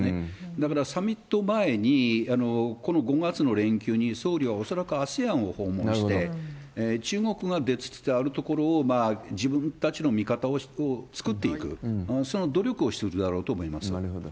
だから、サミット前に、この５月の連休に、総理は恐らくＡＳＥＡＮを訪問して、中国が出つつあるところを、自分たちの味方を作っていく、その努力をしていくだろうと思います。